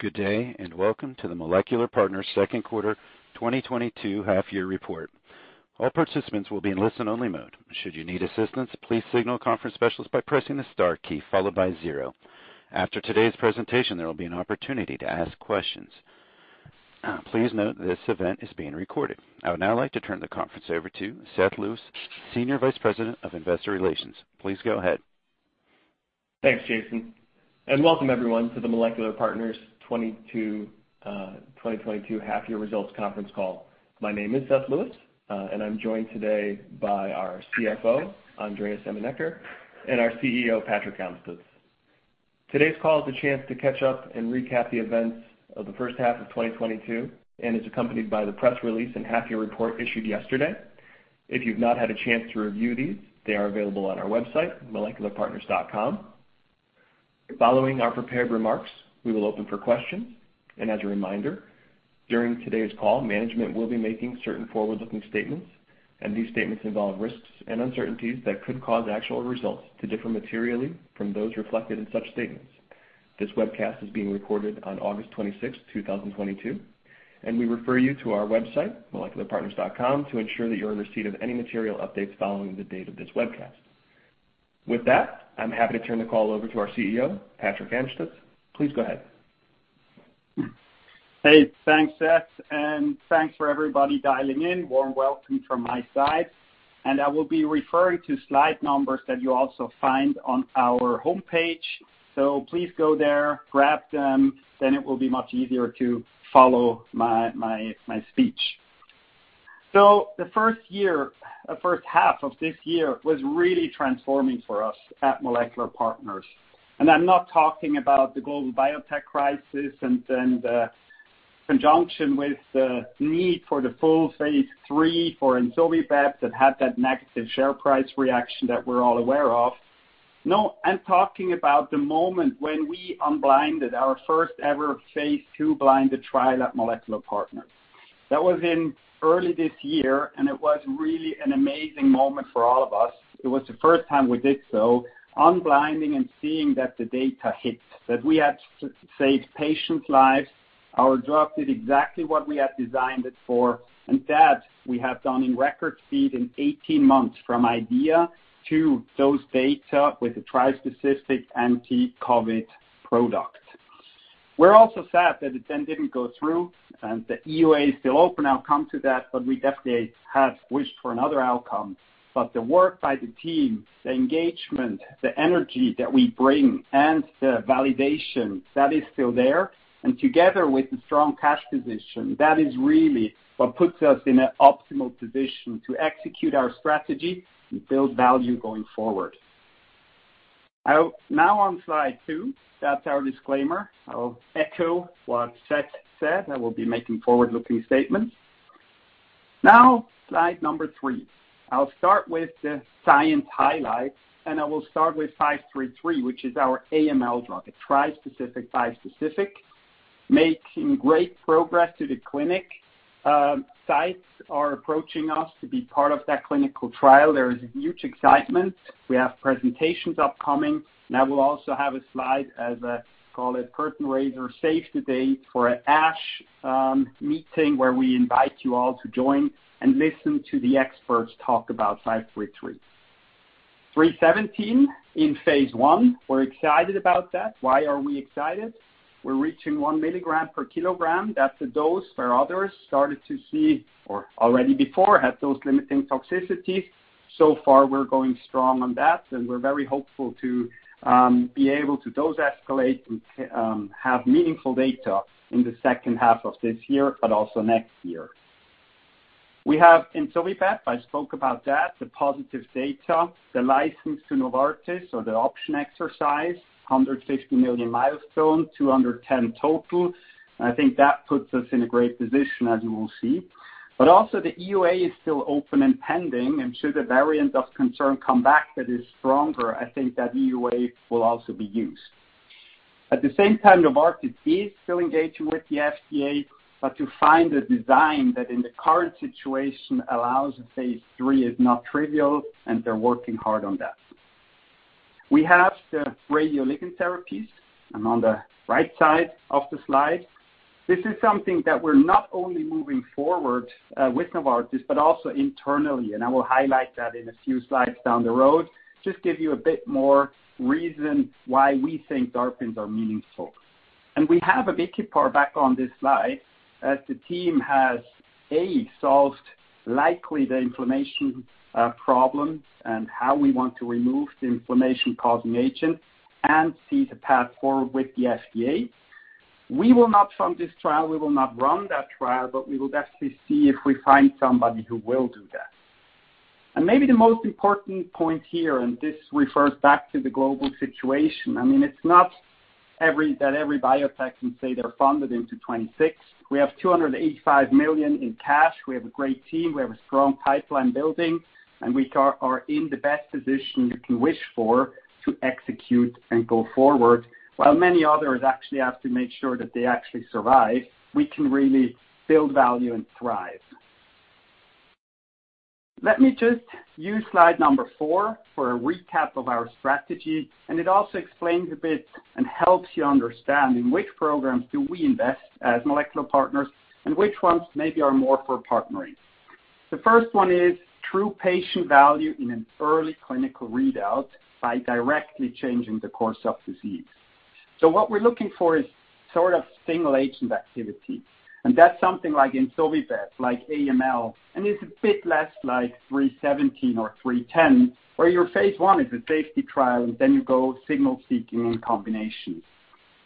Good day, and welcome to the Molecular Partners Second Quarter 2022 Half-Year Report. All participants will be in listen-only mode. Should you need assistance, please signal a conference specialist by pressing the star key followed by zero. After today's presentation, there will be an opportunity to ask questions. Please note this event is being recorded. I would now like to turn the conference over to Seth Lewis, Senior Vice President of Investor Relations. Please go ahead. Thanks, Jason, and welcome everyone to the Molecular Partners 2022 half-year results conference call. My name is Seth Lewis, and I'm joined today by our CFO, Andreas Emmenegger, and our CEO, Patrick Amstutz. Today's call is a chance to catch up and recap the events of the first half of 2022 and is accompanied by the press release and half-year report issued yesterday. If you've not had a chance to review these, they are available on our website, molecularpartners.com. Following our prepared remarks, we will open for questions. As a reminder, during today's call, management will be making certain forward-looking statements, and these statements involve risks and uncertainties that could cause actual results to differ materially from those reflected in such statements. This webcast is being recorded on August 26th, 2022, and we refer you to our website, molecularpartners.com, to ensure that you're in receipt of any material updates following the date of this webcast. With that, I'm happy to turn the call over to our CEO, Patrick Amstutz. Please go ahead. Hey, thanks, Seth, and thanks for everybody dialing in. Warm welcome from my side. I will be referring to slide numbers that you also find on our homepage. Please go there, grab them, then it will be much easier to follow my speech. The first half of this year was really transforming for us at Molecular Partners. I'm not talking about the global biotech crisis and then the conjunction with the need for the full phase three for Ensovibep that had that negative share price reaction that we're all aware of. No, I'm talking about the moment when we unblinded our first ever phase two blinded trial at Molecular Partners. That was in early this year, and it was really an amazing moment for all of us. It was the first time we did so, unblinding and seeing that the data hits, that we had saved patients' lives. Our drug did exactly what we had designed it for, and that we have done in record speed in 18 months from idea to those data with a tri-specific anti-COVID product. We're also sad that it then didn't go through, and the EUA is still open outcome to that, but we definitely had wished for another outcome. The work by the team, the engagement, the energy that we bring and the validation, that is still there. Together with the strong cash position, that is really what puts us in an optimal position to execute our strategy and build value going forward. Now on slide two, that's our disclaimer. I'll echo what Seth said. I will be making forward-looking statements. Now, slide number three. I'll start with the science highlights, and I will start with MP0533, which is our AML drug. It's tri-specific, bispecific, making great progress to the clinic. Sites are approaching us to be part of that clinical trial. There is huge excitement. We have presentations upcoming, and I will also have a slide as a, call it curtain raiser, save the date for an ASH meeting where we invite you all to join and listen to the experts talk about MP0533. Three seventeen in phase one, we're excited about that. Why are we excited? We're reaching 1 mg/kg. That's a dose where others started to see or already before had those limiting toxicities. So far, we're going strong on that, and we're very hopeful to be able to dose escalate and have meaningful data in the second half of this year but also next year. We have Ensovibep. I spoke about that, the positive data, the license to Novartis or the option exercise, 150 million milestone, 210 million total. I think that puts us in a great position, as you will see. Also the EUA is still open and pending, and should a variant of concern come back that is stronger, I think that EUA will also be used. At the same time, Novartis is still engaging with the FDA, but to find a design that in the current situation allows phase III is not trivial, and they're working hard on that. We have the radioligand therapies. On the right side of the slide, this is something that we're not only moving forward with Novartis, but also internally, and I will highlight that in a few slides down the road. Just give you a bit more reason why we think DARPin are meaningful. We have Abicipar back on this slide as the team has, A, solved likely the inflammation problems and how we want to remove the inflammation-causing agent and see the path forward with the FDA. We will not fund this trial, we will not run that trial, but we will definitely see if we find somebody who will do that. Maybe the most important point here, and this refers back to the global situation. I mean, it's not that every biotech can say they're funded into 2026. We have 285 million in cash. We have a great team. We have a strong pipeline building, and we are in the best position you can wish for to execute and go forward. While many others actually have to make sure that they actually survive, we can really build value and thrive. Let me just use slide number four for a recap of our strategy, and it also explains a bit and helps you understand in which programs do we invest as Molecular Partners and which ones maybe are more for partnering. The first one is true patient value in an early clinical readout by directly changing the course of disease. So what we're looking for is sort of single agent activity, and that's something like Ensovibep, like AML, and it's a bit less like three seventeen or three ten, where your phase one is a safety trial, and then you go signal-seeking in combination.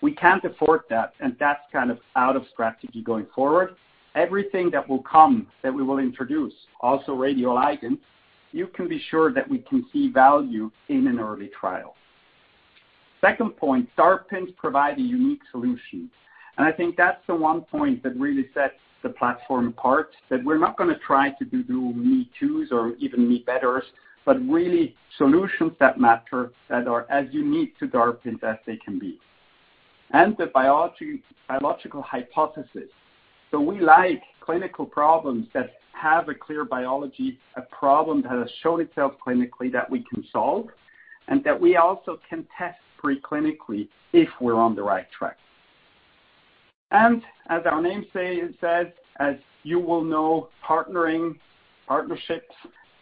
We can't afford that, and that's kind of out of strategy going forward. Everything that will come, that we will introduce, also radioligands, you can be sure that we can see value in an early trial. Second point, DARPin provide a unique solution. I think that's the one point that really sets the platform apart, that we're not going to try to do me toos or even me betters, but really solutions that matter, that are as unique to DARPin as they can be. The biological hypothesis. We like clinical problems that have a clear biology, a problem that has shown itself clinically that we can solve, and that we also can test pre-clinically if we're on the right track. As our name says, as you will know, partnering, partnerships,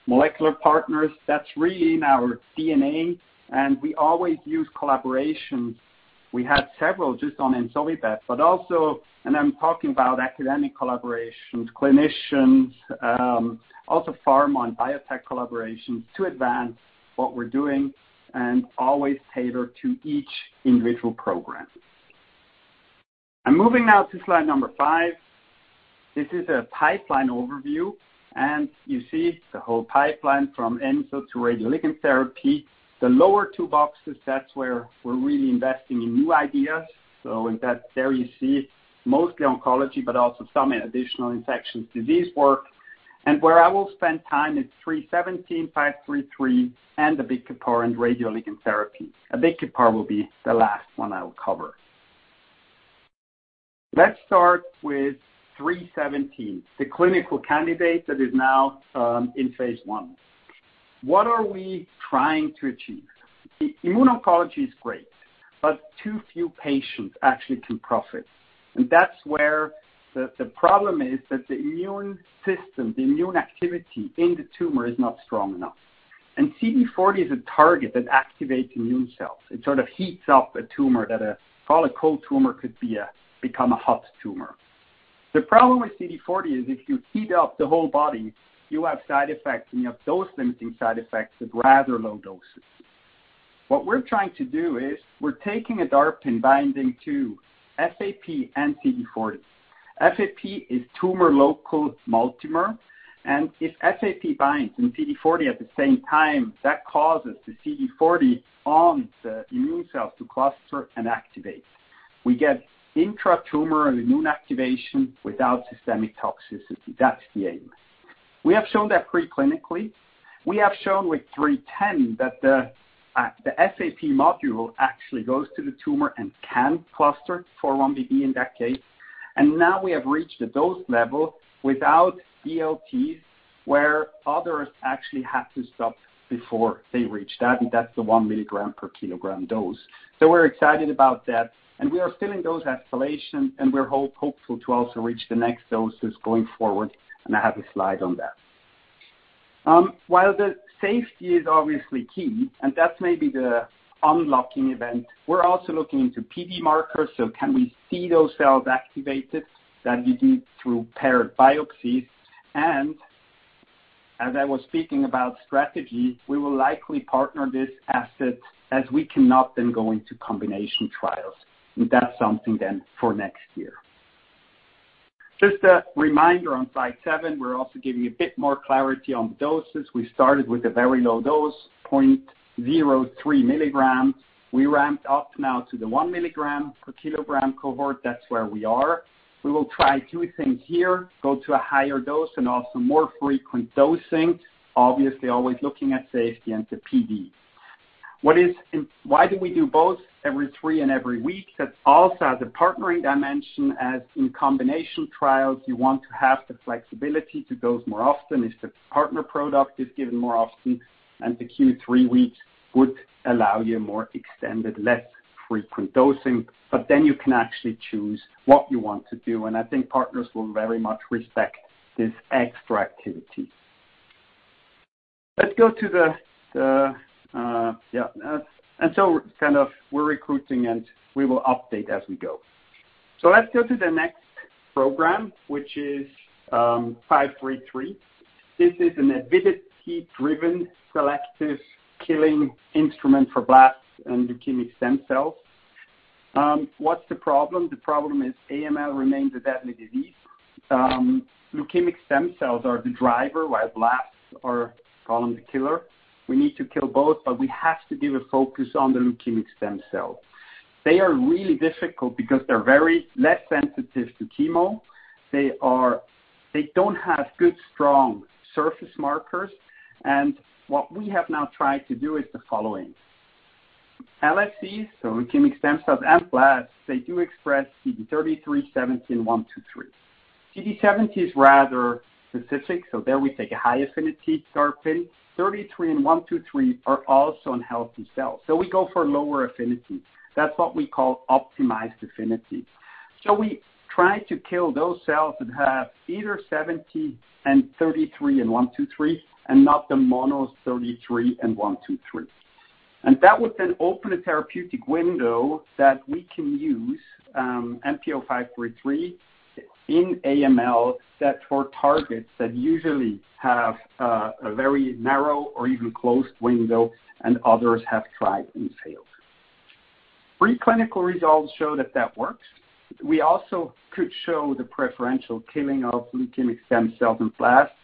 Molecular Partners, that's really in our DNA, and we always use collaboration. We had several just on Ensovibep, but also, and I'm talking about academic collaborations, clinicians, also pharma and biotech collaborations to advance what we're doing and always cater to each individual program. I'm moving now to slide number five. This is a pipeline overview, and you see the whole pipeline from Ensovibep to radioligand therapy. The lower two boxes, that's where we're really investing in new ideas. In that, there you see mostly oncology, but also some additional infectious disease work. Where I will spend time is three seventeen, MP0533, and Abicipar and radioligand therapy. Abicipar will be the last one I will cover. Let's start with three seventeen, the clinical candidate that is now in phase I. What are we trying to achieve? Immuno-oncology is great, but too few patients actually can profit. That's where the problem is that the immune system, the immune activity in the tumor is not strong enough. CD40 is a target that activates immune cells. It sort of heats up a tumor that a cold tumor could become a hot tumor. The problem with CD40 is if you heat up the whole body, you have side effects, and you have dose-limiting side effects at rather low doses. What we're trying to do is we're taking a DARPin and binding to FAP and CD40. FAP is tumor-local multimer, and if FAP binds to CD40 at the same time, that causes the CD40 on the immune cell to cluster and activate. We get intra-tumor immune activation without systemic toxicity. That's the aim. We have shown that pre-clinically. We have shown with MP0310 that the sFAP module actually goes to the tumor and can cluster 4-1BB in that case. Now we have reached the dose level without DLTs, where others actually had to stop before they reached that, and that's the 1 mg/kg dose. We're excited about that, and we are still in dose escalation, and we're hopeful to also reach the next doses going forward. I have a slide on that. While the safety is obviously key, and that may be the unlocking event, we're also looking into PD markers, so can we see those cells activated that we do through paired biopsies. As I was speaking about strategy, we will likely partner this asset as we cannot then go into combination trials. That's something then for next year. Just a reminder on slide seven. We're also giving a bit more clarity on the doses. We started with a very low dose, 0.03 mg. We ramped up now to the 1 mg/kg cohort. That's where we are. We will try two things here, go to a higher dose and also more frequent dosing. Obviously, always looking at safety and the PD. Why do we do both every three and every week? That's also as a partnering dimension, as in combination trials, you want to have the flexibility to dose more often if the partner product is given more often, and the Q three weeks would allow you more extended, less frequent dosing. But then you can actually choose what you want to do, and I think partners will very much respect this extra activity. Let's go to kind of we're recruiting, and we will update as we go. Let's go to the next program, which is MP0533. This is an avidity-driven selective killing instrument for blasts and leukemic stem cells. What's the problem? The problem is AML remains a deadly disease. Leukemic stem cells are the driver, while blasts are called the killer. We need to kill both, but we have to give a focus on the leukemic stem cell. They are really difficult because they're very less sensitive to chemo. They don't have good, strong surface markers, and what we have now tried to do is the following. LSCs, so leukemic stem cells and blasts, they do express CD33, CD117, and CD123. CD117 is rather specific, so there we take a high-affinity DARPin. CD33 and CD123 are also in healthy cells. We go for lower affinity. That's what we call optimized affinity. We try to kill those cells that have either CD117 and CD33 and CD123, and not the mono CD33 and CD123. That would then open a therapeutic window that we can use, MP0533 in AML suited for targets that usually have a very narrow or even closed window, and others have tried and failed. Preclinical results show that that works. We also could show the preferential killing of leukemic stem cells and blasts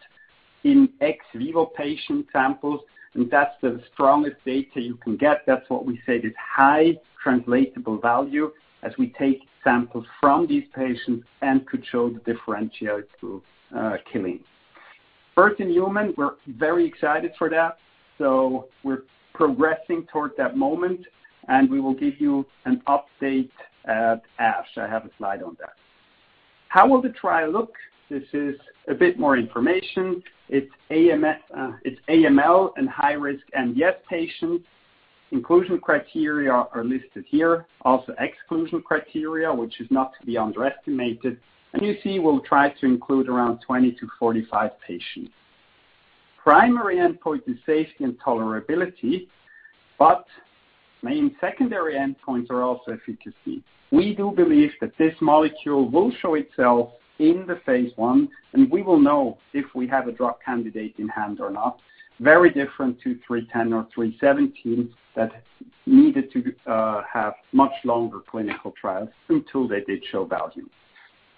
in ex vivo patient samples, and that's the strongest data you can get. That's why we say this high translational value as we take samples from these patients and could show the differentiated killing. First-in-human, we're very excited for that, so we're progressing toward that moment, and we will give you an update at ASH. I have a slide on that. How will the trial look? This is a bit more information. It's AML in high risk R/R patients. Inclusion criteria are listed here, also exclusion criteria, which is not to be underestimated. You see we'll try to include around 20-45 patients. Primary endpoint is safety and tolerability, but main secondary endpoints are also efficacy. We do believe that this molecule will show itself in the phase I, and we will know if we have a drug candidate in hand or not. Very different to MP0310 or MP0317 that needed to have much longer clinical trials until they did show value.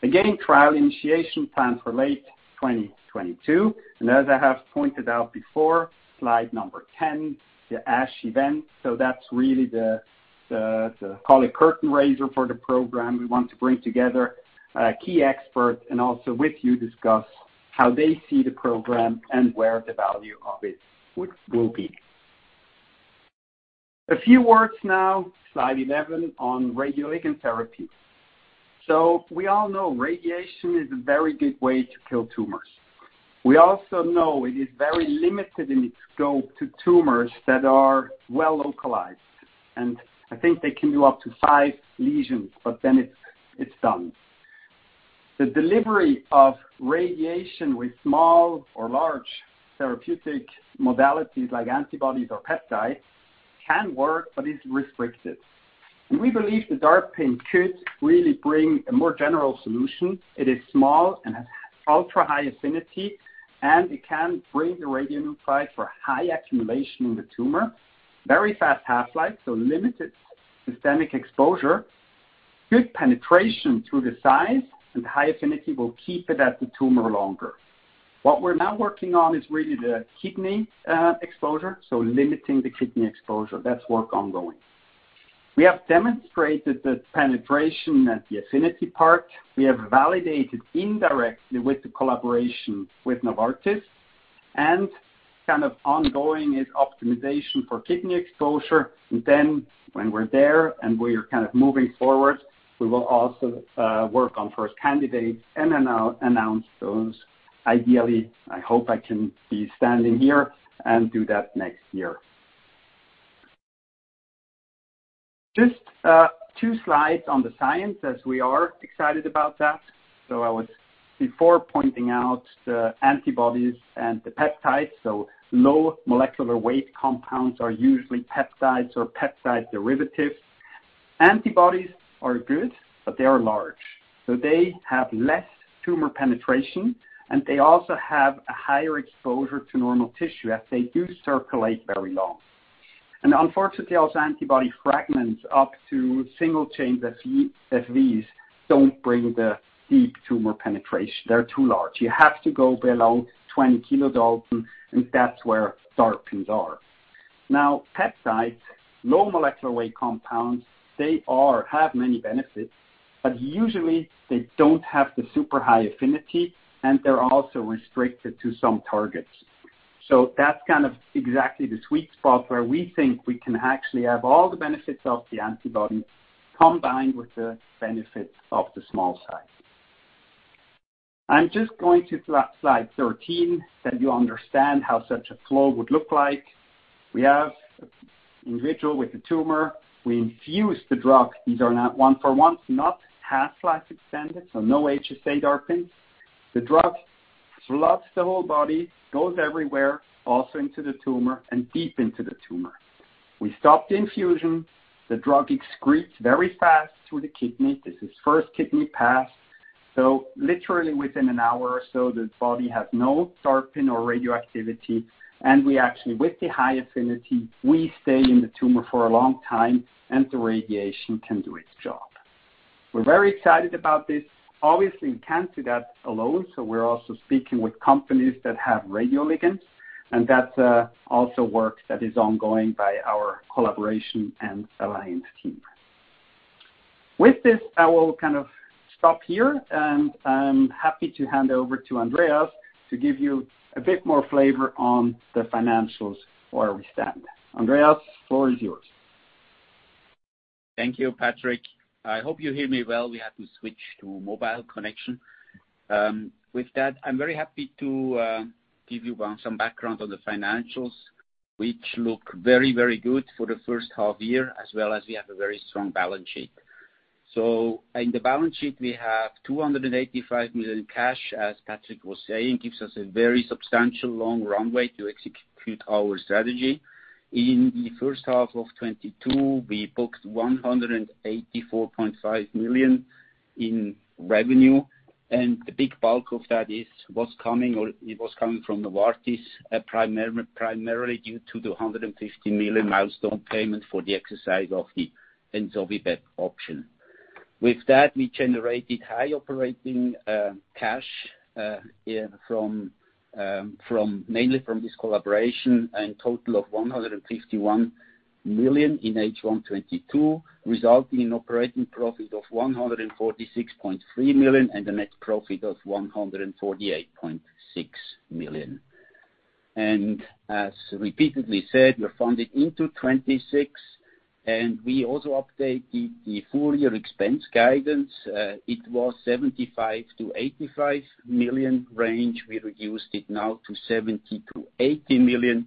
Again, trial initiation planned for late 2022, and as I have pointed out before, slide number 10, the ASH event. That's really the call it curtain raiser for the program. We want to bring together key experts and also with you discuss how they see the program and where the value of it will be. A few words now, slide 11, on radioligand therapy. We all know radiation is a very good way to kill tumors. We also know it is very limited in its scope to tumors that are well-localized, and I think they can do up to five lesions, but then it's done. The delivery of radiation with small or large therapeutic modalities like antibodies or peptides can work but is restricted. We believe the DARPin could really bring a more general solution. It is small and has ultra-high affinity, and it can bring the radionuclide for high accumulation in the tumor, very fast half-life, so limited systemic exposure. Good penetration through the size and high affinity will keep it at the tumor longer. What we're now working on is really the kidney exposure, so limiting the kidney exposure. That's work ongoing. We have demonstrated the penetration at the affinity part. We have validated indirectly with the collaboration with Novartis. Kind of ongoing is optimization for kidney exposure. Then when we're there and we're kind of moving forward, we will also work on first candidates and announce those. Ideally, I hope I can be standing here and do that next year. Just two slides on the science as we are excited about that. I was before pointing out the antibodies and the peptides. Low molecular weight compounds are usually peptides or peptide derivatives. Antibodies are good, but they are large. They have less tumor penetration, and they also have a higher exposure to normal tissue as they do circulate very long. Unfortunately, also antibody fragments up to single-chain Fv, Fvs don't bring the deep tumor penetration. They're too large. You have to go below 20 kilodalton, and that's where DARPins are. Now, peptides, low molecular weight compounds, they have many benefits, but usually, they don't have the super high affinity, and they're also restricted to some targets. That's kind of exactly the sweet spot where we think we can actually have all the benefits of the antibody combined with the benefit of the small size. I'm just going to slide 13, that you understand how such a flow would look like. We have individual with the tumor. We infuse the drug. These are now one for one, not half life extended, so no HSA DARPins. The drug floods the whole body, goes everywhere, also into the tumor and deep into the tumor. We stop the infusion. The drug excretes very fast through the kidney. This is first kidney pass. Literally within an hour or so, the body has no DARPin or radioactivity, and we actually, with the high affinity, we stay in the tumor for a long time and the radiation can do its job. We're very excited about this. Obviously, we can't do that alone, so we're also speaking with companies that have radioligands, and that also works that is ongoing by our collaboration and alliance team. With this, I will kind of stop here, and I'm happy to hand over to Andreas to give you a bit more flavor on the financials where we stand. Andreas, floor is yours. Thank you, Patrick. I hope you hear me well. We had to switch to mobile connection. With that, I'm very happy to give you some background on the financials, which look very, very good for the first half year, as well as we have a very strong balance sheet. In the balance sheet, we have 285 million cash, as Patrick was saying, gives us a very substantial long runway to execute our strategy. In the first half of 2022, we booked 184.5 million in revenue, and the big bulk of that was coming from Novartis, primarily due to the 150 million milestone payment for the exercise of the Ensovibep option. With that, we generated high operating cash from mainly from this collaboration and total of 151 million in H1 2022, resulting in operating profit of 146.3 million and a net profit of 148.6 million. As repeatedly said, we're funded into 2026, and we also update the full year expense guidance. It was 75 million-85 million range. We reduced it now to 70 million-80 million.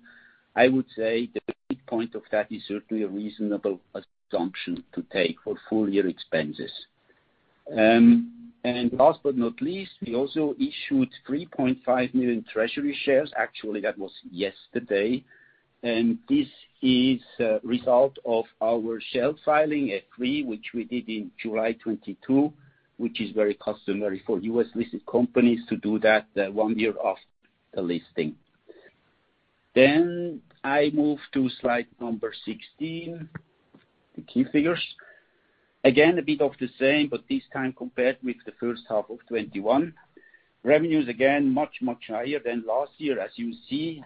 I would say the midpoint of that is certainly a reasonable assumption to take for full year expenses. And last but not least, we also issued 3.5 million treasury shares. Actually, that was yesterday. This is a result of our shelf filing of $300 million, which we did in July 2022, which is very customary for U.S.-listed companies to do that one year after the listing. I move to slide number 16, the key figures. Again, a bit of the same, but this time compared with the first half of 2021. Revenues, again, much, much higher than last year, as you see.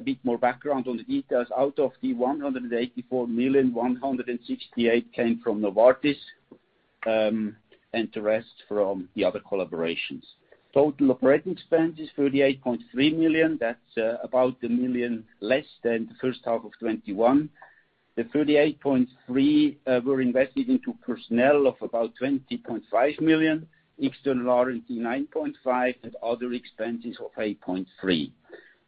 A bit more background on the details. Out of the 184 million, 168 million came from Novartis, and the rest from the other collaborations. Total operating expense is 38.3 million. That's about 1 million less than the first half of 2021. The 38.3 million were invested into personnel of about 20.5 million, external R&D 9.5 million, and other expenses of 8.3 million.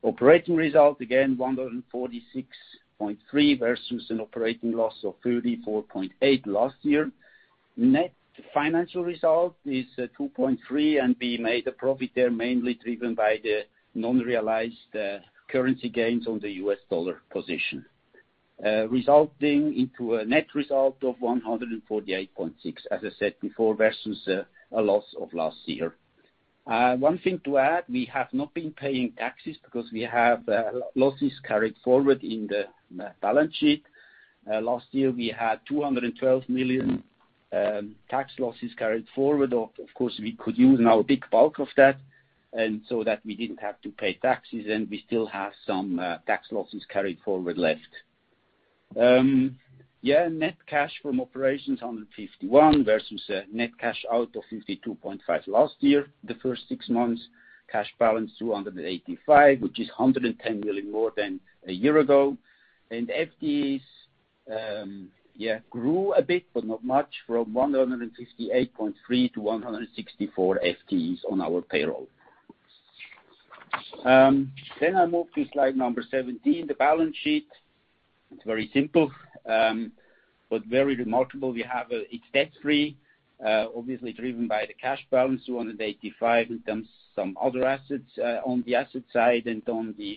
Operating result 146.3 versus an operating loss of 34.8 last year. Net financial result is 2.3, and we made a profit there mainly driven by the unrealized currency gains on the US dollar position resulting in a net result of 148.6, as I said before, versus a loss of last year. One thing to add, we have not been paying taxes because we have losses carried forward in the balance sheet. Last year, we had 212 million tax losses carried forward. Of course, we could use now a big bulk of that and so that we didn't have to pay taxes, and we still have some tax losses carried forward left. Net cash from operations, 151 versus net cash outflow of 52.5 last year, the first six months. Cash balance, 285, which is 110 million more than a year ago. FTEs grew a bit, but not much, from 168.3 to 164 FTEs on our payroll. I move to slide number 17, the balance sheet. It's very simple, but very remarkable. We have, it's debt-free, obviously driven by the cash balance, 285, and then some other assets on the asset side and on the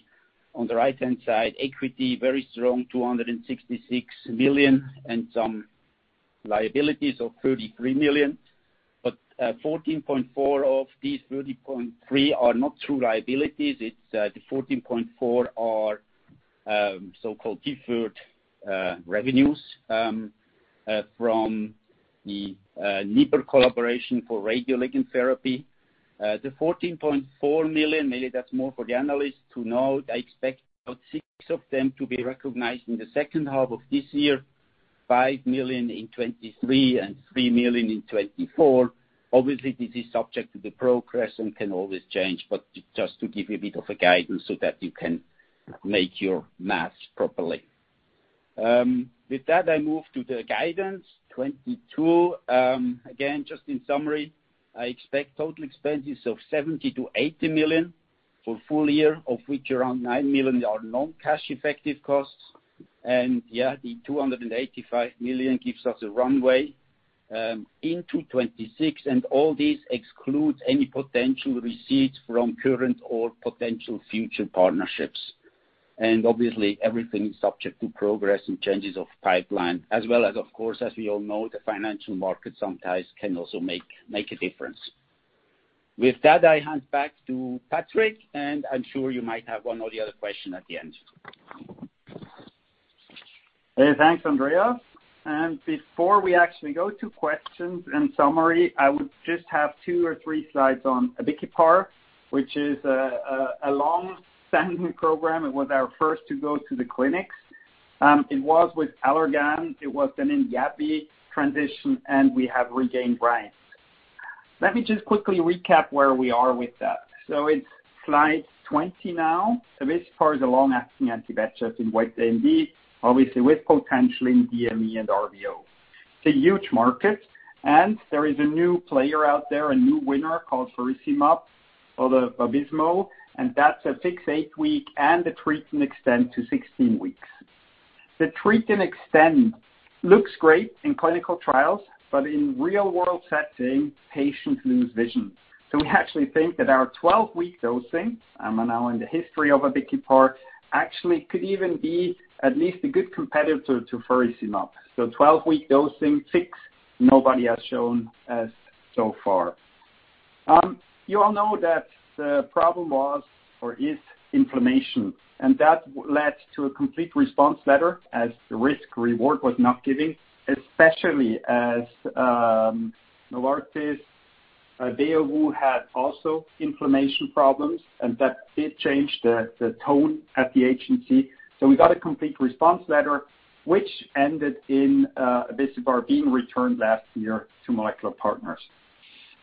right-hand side, equity, very strong, 266 million and some liabilities of 33 million. 14.4 of these 33.3 are not true liabilities. It's the 14.4 so-called deferred revenues from the Novartis collaboration for radioligand therapy. The 14.4 million, maybe that's more for the analysts to know. I expect about 6 million of them to be recognized in the second half of this year, 5 million in 2023 and 3 million in 2024. Obviously, this is subject to the progress and can always change, but just to give you a bit of a guidance so that you can make your math properly. With that, I move to the guidance. 2022, again, just in summary, I expect total expenses of 70-80 million for full year, of which around 9 million are non-cash effective costs. Yeah, the 285 million gives us a runway into 2026. All this excludes any potential receipts from current or potential future partnerships. Obviously, everything is subject to progress and changes of pipeline, as well as, of course, as we all know, the financial market sometimes can also make a difference. With that, I hand back to Patrick, and I'm sure you might have one or the other question at the end. Hey, thanks, Andreas. Before we actually go to questions, in summary, I would just have two or three slides on Abicipar, which is a longstanding program. It was our first to go to the clinics. It was with Allergan. It was then in AbbVie transition, and we have regained rights. Let me just quickly recap where we are with that. So it's slide 20 now. Abicipar is a long-acting anti-VEGF in wet AMD, obviously with potential in DME and RVO. It's a huge market, and there is a new player out there, a new winner called Faricimab or the Vabysmo, and that's a fixed eight-week and a treat-and-extend to 16 weeks. The treat-and-extend looks great in clinical trials, but in real-world setting, patients lose vision. We actually think that our 12-week dosing, now in the history of Abicipar, actually could even be at least a good competitor to Faricimab. 12-week dosing fixed, nobody has shown as so far. You all know that the problem was or is inflammation, and that led to a complete response letter as the risk-reward was not giving, especially as Novartis, Beovu had also inflammation problems, and that did change the tone at the agency. We got a complete response letter which ended in Abicipar being returned last year to Molecular Partners.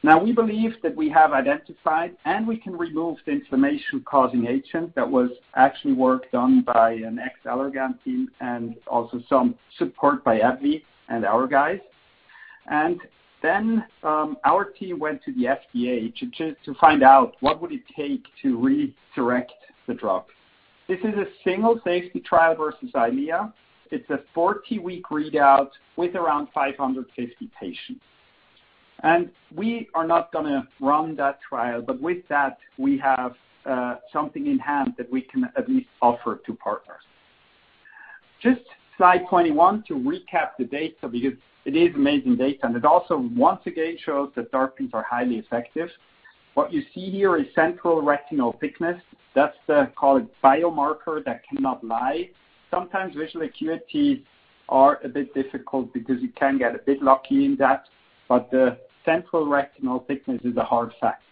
Now, we believe that we have identified and we can remove the inflammation-causing agent that was actually work done by an ex-Allergan team and also some support by AbbVie and our guys. Our team went to the FDA to find out what would it take to redirect the drug. This is a single safety trial versus Eylea. It's a 40-week readout with around 550 patients. We are not going to run that trial, but with that, we have something in hand that we can at least offer to partners. Just slide 21 to recap the data because it is amazing data, and it also once again shows that DARPin are highly effective. What you see here is central retinal thickness. That's the gold biomarker that cannot lie. Sometimes visual acuity are a bit difficult because you can get a bit lucky in that, but the central retinal thickness is a hard fact.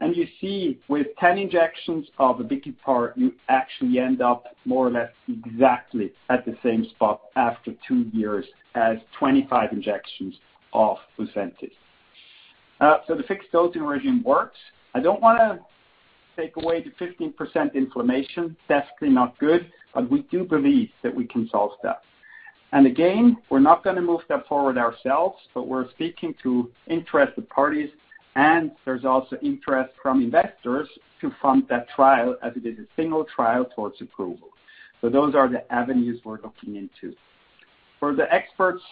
You see with 10 injections of Abicipar, you actually end up more or less exactly at the same spot after two years as 25 injections of Lucentis. The fixed dosing regime works. I don't want to take away the 15% inflammation. That's clearly not good, but we do believe that we can solve that. We're not going to move that forward ourselves, but we're speaking to interested parties, and there's also interest from investors to fund that trial as it is a single trial towards approval. Those are the avenues we're looking into. For the experts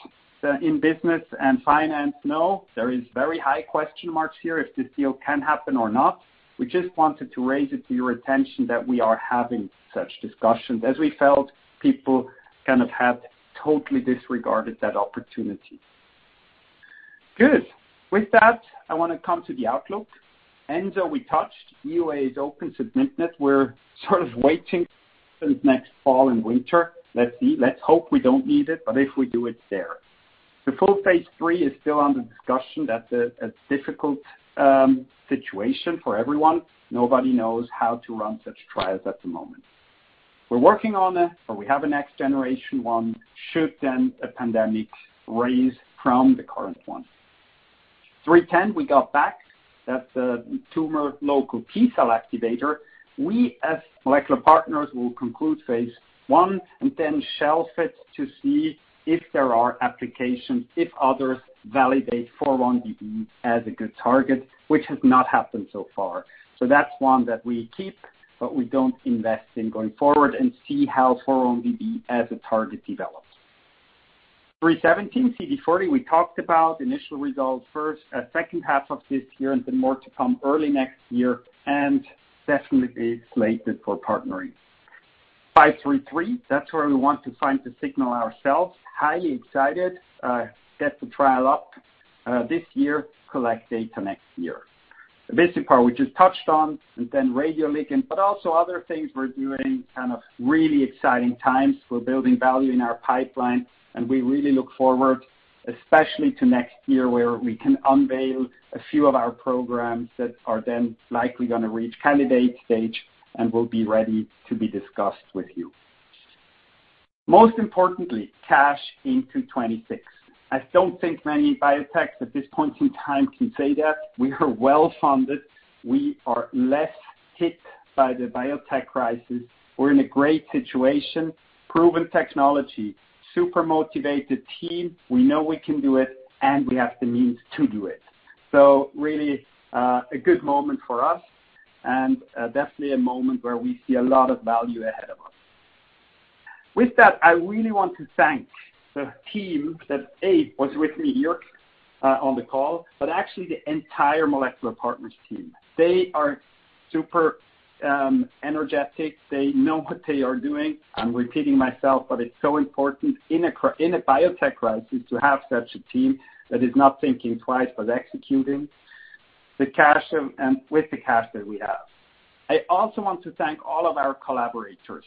in business and finance, you know, there is very high question marks here if this deal can happen or not. We just wanted to raise it to your attention that we are having such discussions as we felt people kind of have totally disregarded that opportunity. Good. With that, I want to come to the outlook. Ensovibep, we touched on. EUA is open submission. We're sort of waiting for next fall and winter. Let's see. Let's hope we don't need it, but if we do, it's there. The full phase III is still under discussion. That's a difficult situation for everyone. Nobody knows how to run such trials at the moment. We're working on it, but we have a next-generation one should then a pandemic arise from the current one. MP0310, we got back. That's a tumor local T-cell activator. We, as Molecular Partners, will conclude phase I and then shelf it to see if there are applications, if others validate 4-1BB as a good target, which has not happened so far. That's one that we keep, but we don't invest in going forward and see how 4-1BB as a target develops. MP0317, CD40, we talked about initial results first, second half of this year and then more to come early next year and definitely slated for partnering. MP0533, that's where we want to find the signal ourselves. Highly excited, get the trial up, this year, collect data next year. Abicipar, we just touched on, and then radioligand, but also other things we're doing, kind of really exciting times. We're building value in our pipeline, and we really look forward, especially to next year, where we can unveil a few of our programs that are then likely going to reach candidate stage and will be ready to be discussed with you. Most importantly, cash into 2026. I don't think many biotechs at this point in time can say that. We are well-funded. We are less hit by the biotech crisis. We're in a great situation, proven technology, super motivated team. We know we can do it, and we have the means to do it. Really, a good moment for us and, definitely a moment where we see a lot of value ahead of us. With that, I really want to thank the team that was with me here on the call, but actually the entire Molecular Partners team. They are super energetic. They know what they are doing. I'm repeating myself, but it's so important in a biotech crisis to have such a team that is not thinking twice, but executing the cash and with the cash that we have. I also want to thank all of our collaborators.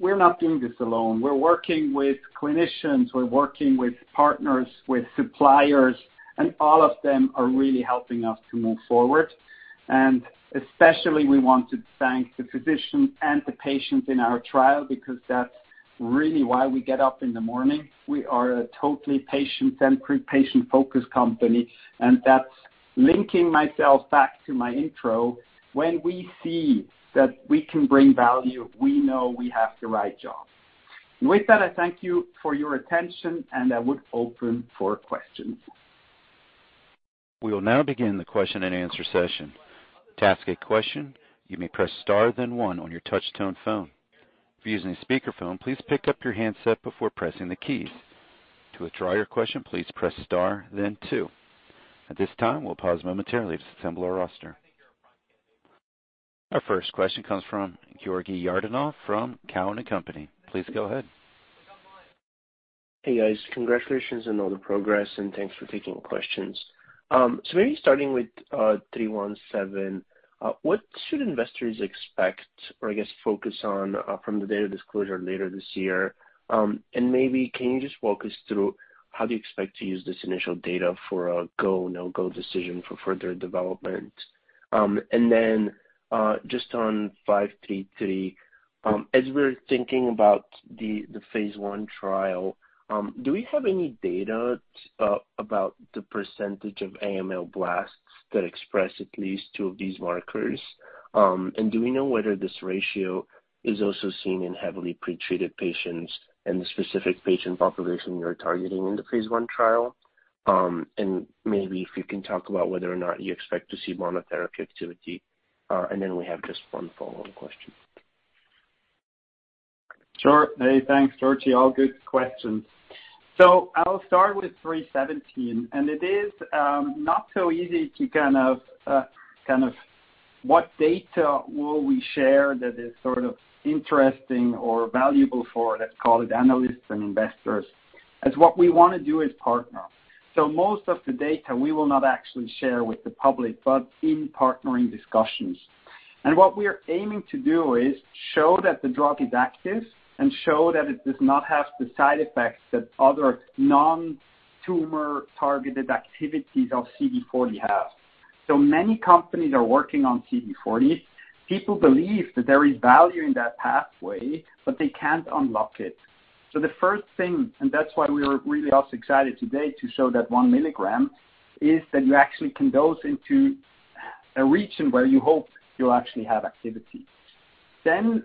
We're not doing this alone. We're working with clinicians, we're working with partners, with suppliers, and all of them are really helping us to move forward. Especially we want to thank the physicians and the patients in our trial, because that's really why we get up in the morning. We are a totally patient-centric, patient-focused company, and that's linking myself back to my intro. When we see that we can bring value, we know we have the right job. With that, I thank you for your attention, and I would open for questions. We will now begin the question-and-answer session. To ask a question, you may press star then one on your touch-tone phone. If you're using a speakerphone, please pick up your handset before pressing the keys. To withdraw your question, please press star then two. At this time, we'll pause momentarily to assemble our roster. Our first question comes from Georgi Yordanov from Cowen and Company. Please go ahead. Hey, guys. Congratulations on all the progress and thanks for taking questions. Maybe starting with MP0317, what should investors expect or I guess focus on from the data disclosure later this year? Maybe can you just walk us through how do you expect to use this initial data for a go, no-go decision for further development? Then just on MP0533, as we're thinking about the phase 1 trial, do we have any data about the percentage of AML blasts that express at least two of these markers? Do we know whether this ratio is also seen in heavily pretreated patients and the specific patient population you're targeting in the phase 1 trial? Maybe if you can talk about whether or not you expect to see monotherapy activity. We have just one follow-on question. Sure. Hey, thanks, Georgi. All good questions. I'll start with MP0317, and it is not so easy to kind of what data will we share that is sort of interesting or valuable for, let's call it analysts and investors, as what we want to do is partner. Most of the data we will not actually share with the public, but in partnering discussions. What we are aiming to do is show that the drug is active and show that it does not have the side effects that other non-tumor targeted activities of CD40 have. Many companies are working on CD40. People believe that there is value in that pathway, but they can't unlock it. The first thing, and that's why we are really also excited today to show that 1 milligram, is that you actually can dose into a region where you hope you'll actually have activity. The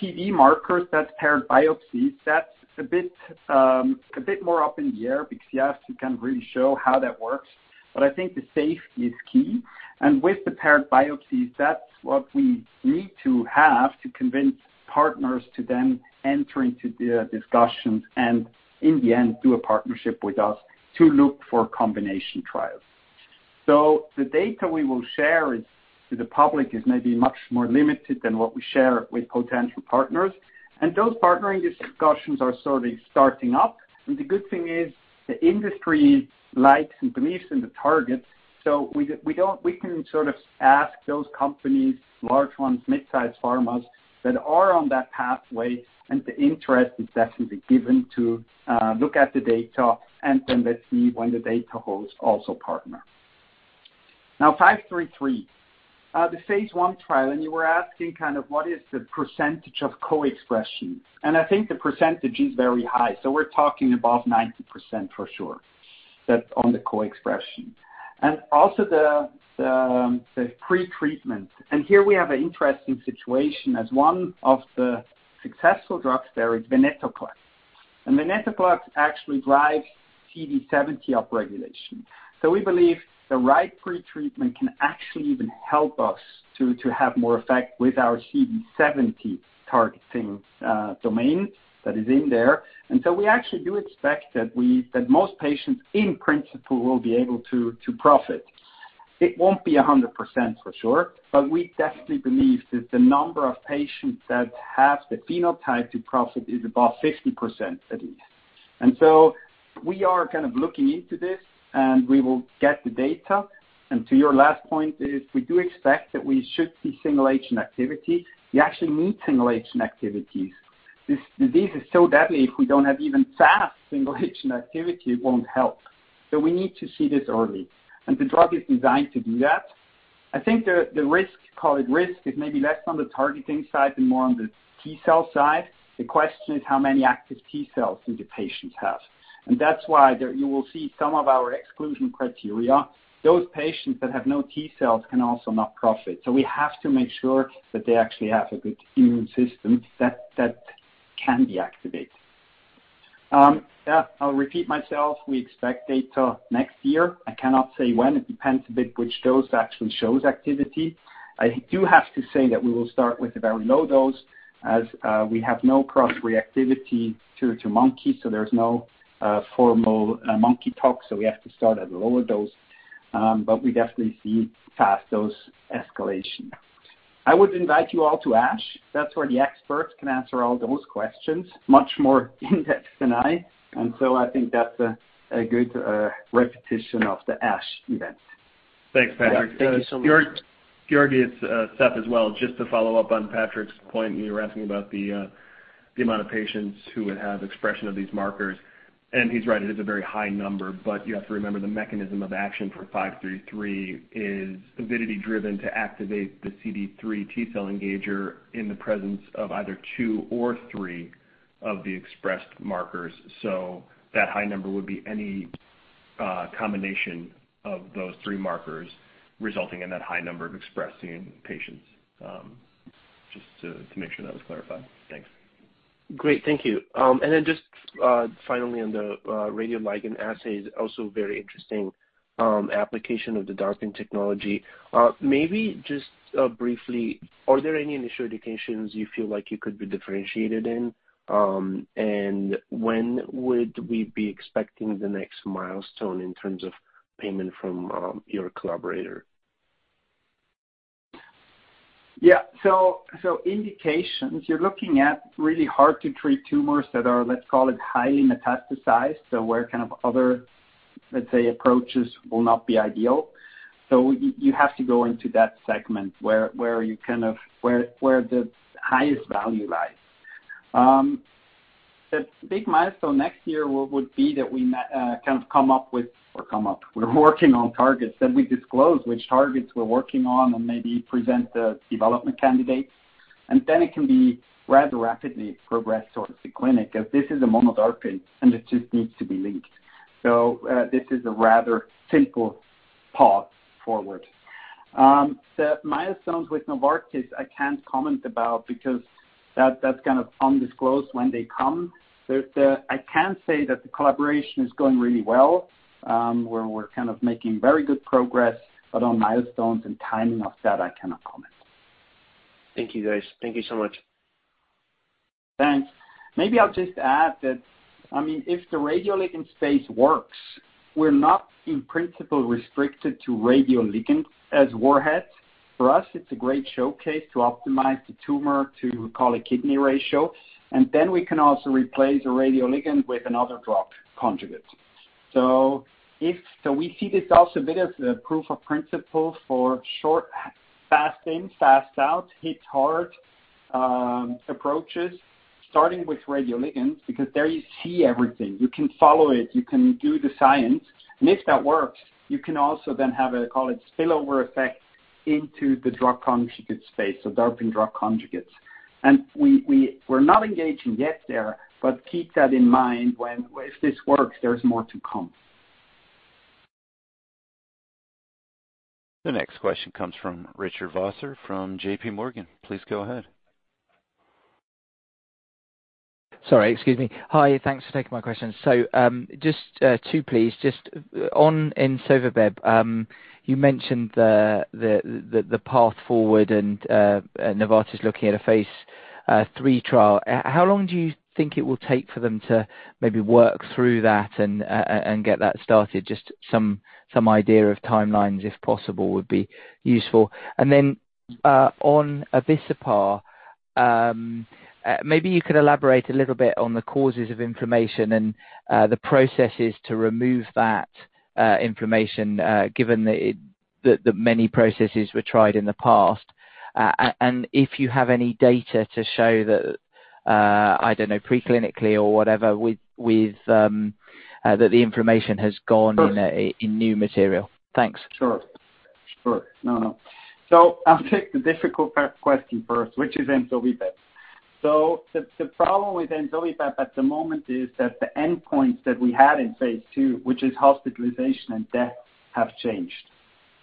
PD markers, that's paired biopsies, that's a bit, a bit more up in the air because, yes, you can really show how that works, but I think the safety is key. With the paired biopsies, that's what we need to have to convince partners to then enter into the discussions and in the end, do a partnership with us to look for combination trials. The data we will share, to the public, is maybe much more limited than what we share with potential partners. Those partnering discussions are slowly starting up. The good thing is the industry likes and believes in the target. We can sort of ask those companies, large ones, midsize pharmas that are on that pathway, and the interest is definitely given to look at the data and then let's see when the data holds also partner. MP0533. The phase I trial, and you were asking kind of what is the percentage of co-expression? I think the percentage is very high. We're talking above 90% for sure. That's on the co-expression. Also the pretreatment. Here we have an interesting situation as one of the successful drugs there is Venetoclax. Venetoclax actually drives CD70 upregulation. We believe the right pretreatment can actually even help us to have more effect with our CD70 targeting domain that is in there. We actually do expect that most patients in principle will be able to profit. It won't be 100% for sure, but we definitely believe that the number of patients that have the phenotype to profit is above 50% at least. We are kind of looking into this, and we will get the data. To your last point is we do expect that we should see single agent activity. We actually need single agent activities. This disease is so deadly if we don't have even fast single agent activity, it won't help. We need to see this early, and the drug is designed to do that. I think the risk, call it risk, is maybe less on the targeting side and more on the T-cell side. The question is how many active T-cells do the patients have? That's why there you will see some of our exclusion criteria. Those patients that have no T-cells can also not profit. We have to make sure that they actually have a good immune system that can be activated. Yeah, I'll repeat myself. We expect data next year. I cannot say when. It depends a bit which dose actually shows activity. I do have to say that we will start with a very low dose as we have no cross-reactivity to monkeys, so there's no formal monkey tox, so we have to start at a lower dose. We definitely see fast dose escalation. I would invite you all to ASH. That's where the experts can answer all those questions much more in-depth than I. I think that's a good repetition of the ASH event. Thanks, Patrick. Yeah. Thank you so much. Georgi, it's Seth as well. Just to follow up on Patrick's point, you were asking about the amount of patients who would have expression of these markers. He's right, it is a very high number, but you have to remember the mechanism of action for MP0533 is avidity driven to activate the CD3 T-cell engager in the presence of either two or three of the expressed markers. That high number would be any combination of those three markers resulting in that high number of expressing patients. Just to make sure that was clarified. Thanks. Great. Thank you. Just finally on the radioligand assays, also very interesting application of the DARPin technology. Maybe just briefly, are there any initial indications you feel like you could be differentiated in? When would we be expecting the next milestone in terms of payment from your collaborator? Yeah. Indications, you're looking at really hard to treat tumors that are, let's call it, highly metastasized, where kind of other, let's say, approaches will not be ideal. You have to go into that segment where you kind of where the highest value lies. The big milestone next year would be that we kind of come up with, we're working on targets that we disclose which targets we're working on and maybe present the development candidates. Then it can be rather rapidly progressed towards the clinic, as this is a mono DARPin, and it just needs to be linked. This is a rather simple path forward. The milestones with Novartis I can't comment about because that's kind of undisclosed when they come. I can say that the collaboration is going really well, where we're kind of making very good progress, but on milestones and timing of that, I cannot comment. Thank you, guys. Thank you so much. Thanks. Maybe I'll just add that, I mean, if the radioligand space works, we're not in principle restricted to radioligand as warheads. For us, it's a great showcase to optimize the tumor to, call it, kidney ratio, and then we can also replace a radioligand with another drug conjugate. We see this also a bit as a proof of principle for short, fast in, fast out, hit hard approaches starting with radioligands, because there you see everything. You can follow it. You can do the science. If that works, you can also then have a, call it, spillover effect into the drug conjugate space, so DARPin drug conjugates. We're not engaging yet there, but keep that in mind if this works, there's more to come. The next question comes from Richard Vosser from J.P. Morgan. Please go ahead. Sorry. Excuse me. Hi. Thanks for taking my question. Just two, please. Just on Ensovibep, you mentioned the path forward and Novartis looking at a phase III trial. How long do you think it will take for them to maybe work through that and get that started? Just some idea of timelines, if possible, would be useful. On Abicipar, maybe you could elaborate a little bit on the causes of inflammation and the processes to remove that inflammation, given that many processes were tried in the past. If you have any data to show that, I don't know, preclinically or whatever with that the inflammation has gone in a- Sure. In new material. Thanks. Sure. No. I'll take the difficult part, question first, which is Ensovibep. The problem with Ensovibep at the moment is that the endpoints that we had in phase two, which is hospitalization and death, have changed.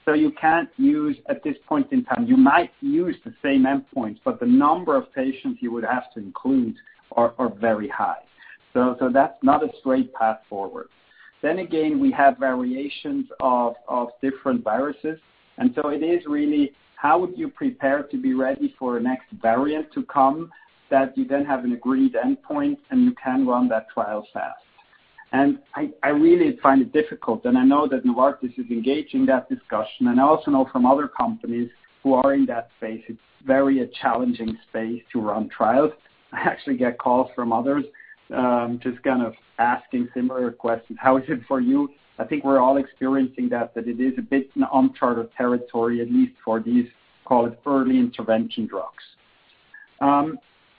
You can't use, at this point in time, you might use the same endpoints, but the number of patients you would have to include are very high. That's not a straight path forward. Again, we have variations of different viruses, and so it is really how would you prepare to be ready for a next variant to come that you then have an agreed endpoint, and you can run that trial fast. I really find it difficult, and I know that Novartis is engaged in that discussion, and I also know from other companies who are in that space, it's very challenging space to run trials. I actually get calls from others, just kind of asking similar questions. "How is it for you?" I think we're all experiencing that it is a bit uncharted territory, at least for these, call it, early intervention drugs.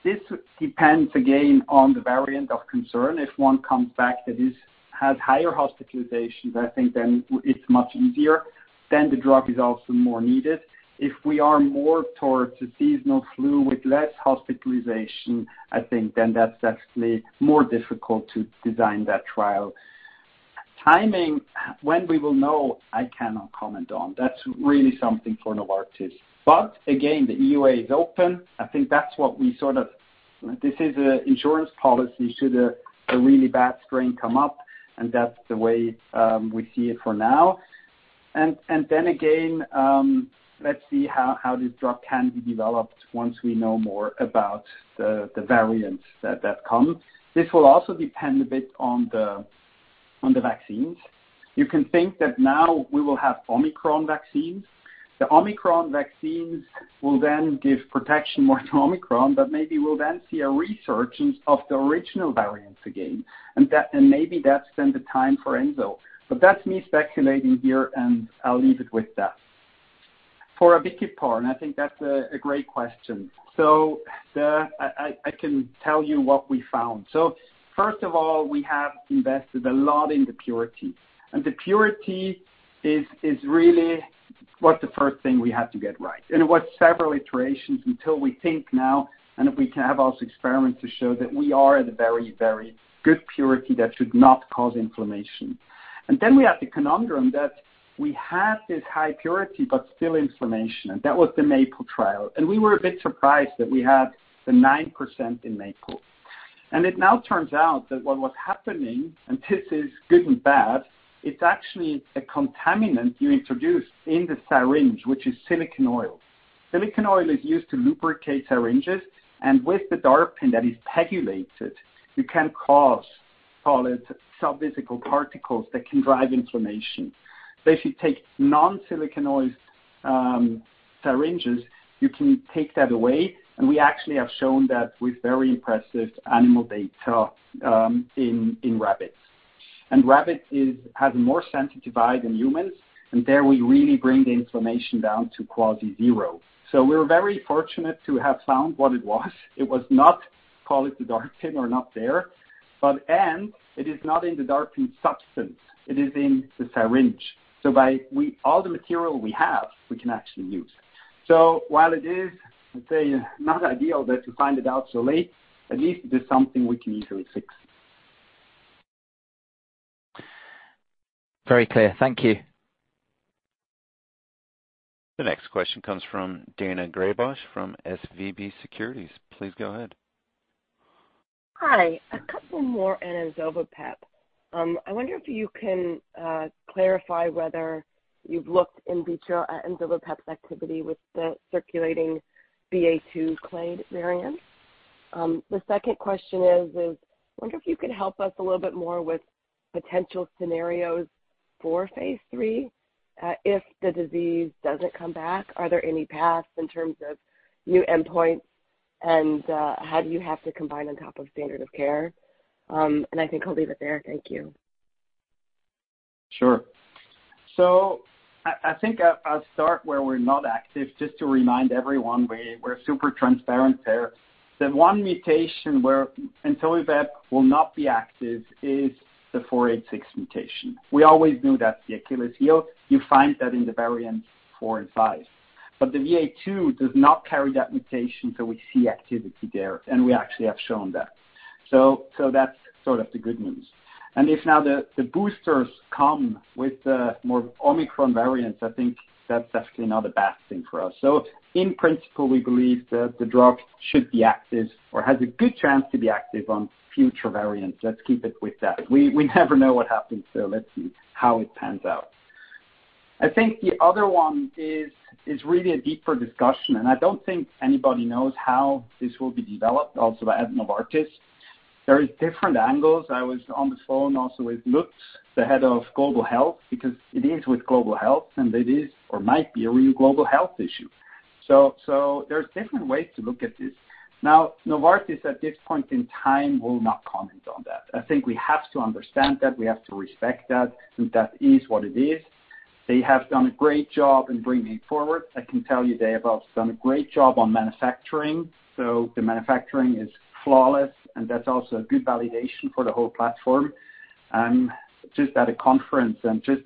This depends again on the variant of concern. If one comes back that has higher hospitalizations, I think then it's much easier, then the drug is also more needed. If we are more towards the seasonal flu with less hospitalization, I think then that's actually more difficult to design that trial. Timing, when we will know, I cannot comment on. That's really something for Novartis. Again, the EUA is open. I think that's what this is an insurance policy should a really bad strain come up, and that's the way we see it for now. Then again, let's see how this drug can be developed once we know more about the variants that come. This will also depend a bit on the vaccines. You can think that now we will have Omicron vaccines. The Omicron vaccines will then give protection more to Omicron, but maybe we'll then see a resurgence of the original variants again, and maybe that's then the time for Ensovibep. That's me speculating here, and I'll leave it with that. For Abicipar, I think that's a great question. I can tell you what we found. First of all, we have invested a lot in the purity, and the purity is really was the first thing we had to get right. It was several iterations until we think now, and we can have also experiments to show that we are at a very, very good purity that should not cause inflammation. Then we had the conundrum that we have this high purity but still inflammation. That was the MAPLE trial. We were a bit surprised that we had the 9% in MAPLE. It now turns out that what was happening, and this is good and bad, it's actually a contaminant you introduce in the syringe, which is silicone oil. Silicone oil is used to lubricate syringes, and with the DARPin that is PEGylated, you can cause solid sub-physical particles that can drive inflammation. If you take non-silicone oil syringes, you can take that away. We actually have shown that with very impressive animal data in rabbits. Rabbits has a more sensitive eye than humans, and there we really bring the inflammation down to quasi zero. We're very fortunate to have found what it was. It was not, call it the DARPin or not there, and it is not in the DARPin substance. It is in the syringe. All the material we have, we can actually use. While it is, let's say, not ideal that to find it out so late, at least it is something we can easily fix. Very clear. Thank you. The next question comes from Daina Graybosch from SVB Securities. Please go ahead. Hi. A couple more Ensovibep. I wonder if you can clarify whether you've looked in vitro at Ensovibep's activity with the circulating BA.2 clade variant. The second question is, I wonder if you could help us a little bit more with potential scenarios for phase three, if the disease doesn't come back, are there any paths in terms of new endpoints and, how do you have to combine on top of standard of care? I think I'll leave it there. Thank you. Sure. I think I'll start where we're not active. Just to remind everyone, we're super transparent there. The one mutation where Ensovibep will not be active is the F486V mutation. We always knew that's the Achilles heel. You find that in the BA.4 and BA.5. The BA.2 does not carry that mutation, so we see activity there, and we actually have shown that. That's sort of the good news. If now the boosters come with the more Omicron variants, I think that's actually not a bad thing for us. In principle, we believe the drug should be active or has a good chance to be active on future variants. Let's keep it with that. We never know what happens, so let's see how it pans out. I think the other one is really a deeper discussion, and I don't think anybody knows how this will be developed also by Novartis. There is different angles. I was on the phone also with Lutz, the head of global health, because it is with global health, and it is or might be a real global health issue. There's different ways to look at this. Now, Novartis at this point in time will not comment on that. I think we have to understand that, we have to respect that, and that is what it is. They have done a great job in bringing it forward. I can tell you they have also done a great job on manufacturing. The manufacturing is flawless, and that's also a good validation for the whole platform. Just at a conference and just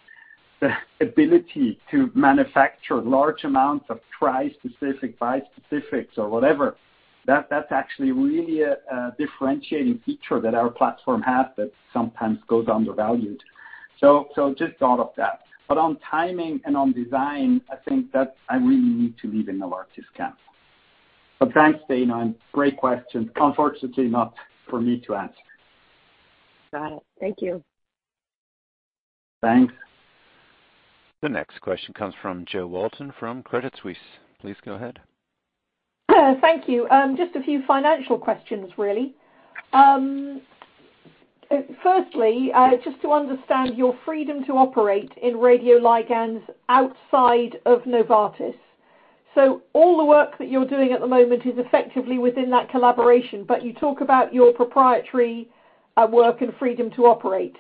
the ability to manufacture large amounts of tri-specific, bi-specifics or whatever, that's actually really a differentiating feature that our platform has that sometimes goes undervalued. Just thought of that. On timing and on design, I think that I really need to leave in Novartis camp. Thanks, Daina, and great questions. Unfortunately not for me to answer. Got it. Thank you. Thanks. The next question comes from Jo Walton from Credit Suisse. Please go ahead. Thank you. Just a few financial questions really. Firstly, just to understand your freedom to operate in radioligands outside of Novartis. So all the work that you're doing at the moment is effectively within that collaboration, but you talk about your proprietary work and freedom to operate.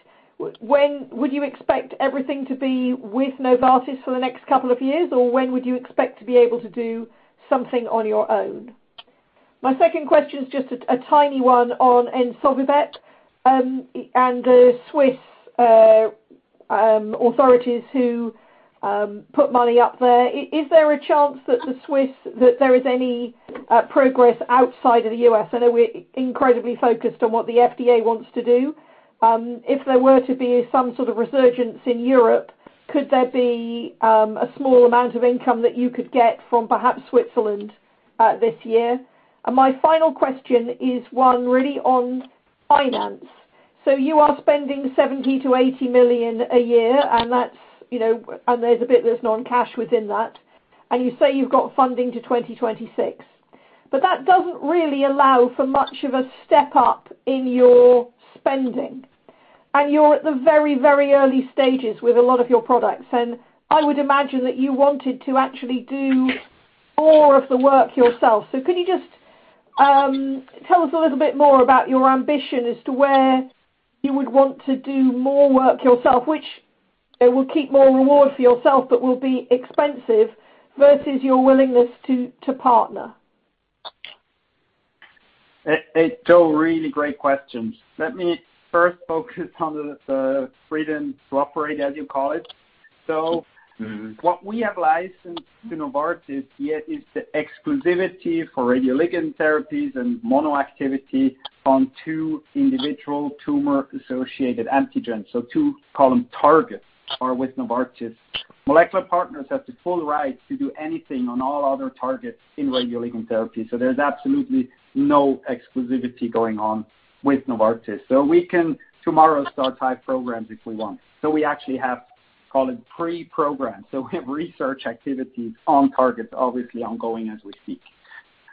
When would you expect everything to be with Novartis for the next couple of years, or when would you expect to be able to do something on your own? My second question is just a tiny one on Ensovibep, and the Swiss authorities who put money up there. Is there a chance that there is any progress outside of the US? I know we're incredibly focused on what the FDA wants to do. If there were to be some sort of resurgence in Europe, could there be a small amount of income that you could get from perhaps Switzerland this year? My final question is one really on finance. You are spending 70- 80 million a year, and that's, you know, and there's a bit that's non-cash within that, and you say you've got funding to 2026. That doesn't really allow for much of a step up in your spending, and you're at the very, very early stages with a lot of your products. I would imagine that you wanted to actually do more of the work yourself. Could you just tell us a little bit more about your ambition as to where you would want to do more work yourself, which it will keep more reward for yourself but will be expensive versus your willingness to partner? It's two really great questions. Let me first focus on the freedom to operate, as you call it. What we have licensed to Novartis yet is the exclusivity for radioligand therapies and mono activity on two individual tumor-associated antigens. Two column targets are with Novartis. Molecular Partners has the full right to do anything on all other targets in radioligand therapy. There's absolutely no exclusivity going on with Novartis. We can tomorrow start five programs if we want. We actually have, call it pre-programmed. We have research activities on targets, obviously ongoing as we speak.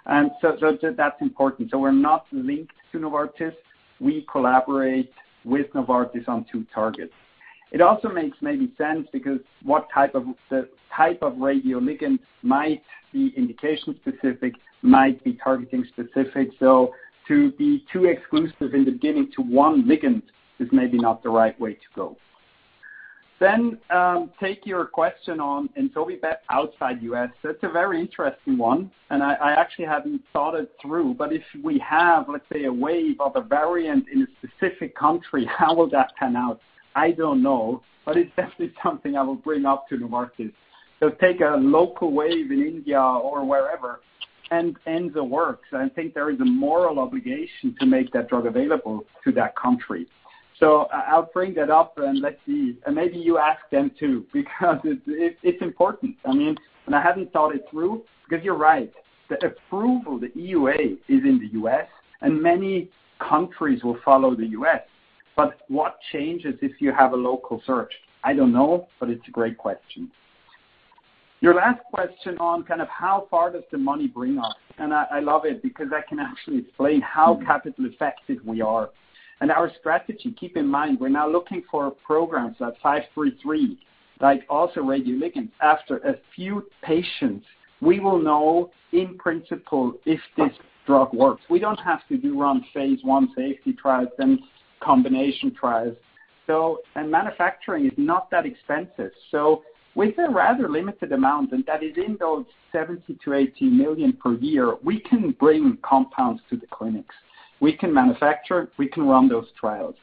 That's important. We're not linked to Novartis. We collaborate with Novartis on two targets. It also makes maybe sense because the type of radioligand might be indication specific, might be targeting specific. To be too exclusive in the beginning to one ligand is maybe not the right way to go. Take your question on Ensovibep outside U.S. It's a very interesting one, and I actually haven't thought it through. If we have, let's say, a wave of a variant in a specific country, how will that pan out? I don't know, but it's definitely something I will bring up to Novartis. Take a local wave in India or wherever, and the works, and I think there is a moral obligation to make that drug available to that country. I'll bring that up and let's see. Maybe you ask them too, because it's important. I mean, I haven't thought it through because you're right, the approval, the EUA is in the U.S., and many countries will follow the U.S. What changes if you have a local search? I don't know, but it's a great question. Your last question on kind of how far does the money bring us, and I love it because I can actually explain how capital effective we are. Our strategy, keep in mind, we're now looking for programs at MP0533, like also radioligand. After a few patients, we will know in principle if this drug works. We don't have to do run phase 1 safety trials, then combination trials. Manufacturing is not that expensive. With a rather limited amount, and that is in those 70 million-80 million per year, we can bring compounds to the clinics. We can manufacture, we can run those trials.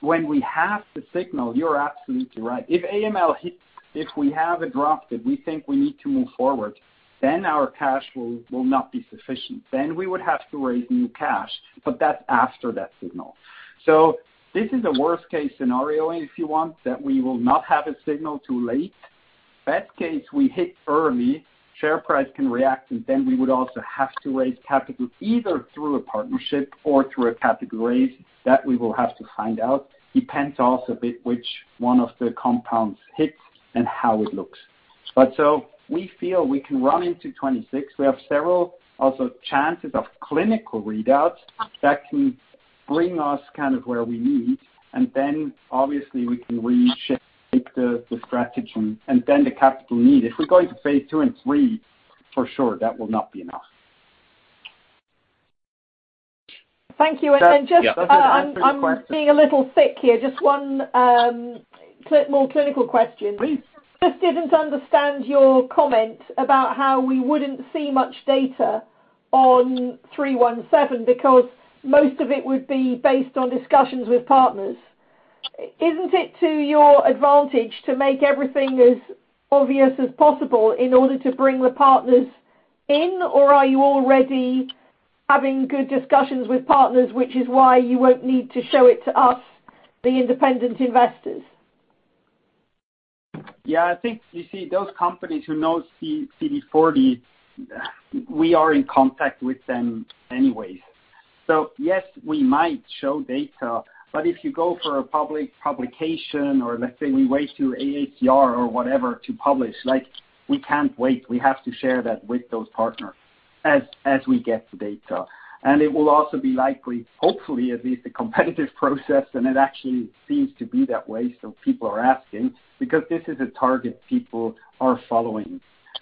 When we have the signal, you're absolutely right. If AML hits, if we have a drug that we think we need to move forward, then our cash will not be sufficient. We would have to raise new cash. That's after that signal. This is a worst-case scenario if you want that we will not have a signal too late. Best case, we hit early, share price can react, and then we would also have to raise capital either through a partnership or through a category that we will have to find out. Depends also a bit which one of the compounds hits and how it looks. We feel we can run into 2026. We have several also chances of clinical readouts that can bring us kind of where we need. Obviously we can reshift the strategy and then the capital need. If we're going to phase II and three, for sure, that will not be enough. Thank you. Yeah. Just, I'm being a little thick here. Just one more clinical question. Please. Just didn't understand your comment about how we wouldn't see much data on 317 because most of it would be based on discussions with partners. Isn't it to your advantage to make everything as obvious as possible in order to bring the partners in? Or are you already having good discussions with partners, which is why you won't need to show it to us, the independent investors? Yeah. I think you see those companies who know CD40, we are in contact with them anyways. Yes, we might show data, but if you go for a public publication or let's say we wait to AACR or whatever to publish, like, we can't wait. We have to share that with those partners as we get the data. It will also be likely, hopefully, at least a competitive process, and it actually seems to be that way. People are asking because this is a target people are following.